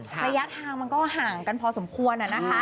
ระยะทางมันก็ห่างกันพอสมควร